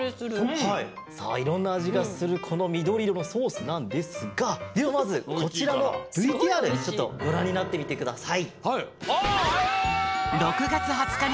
はいさあいろんなあじがするこのみどりいろのソースなんですがではまずこちらのＶＴＲちょっとごらんになってみてください。